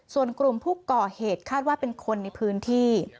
ส่วนกลุ่มผู้ก่อเหตุคาดว่าเป็นคนในพื้นที่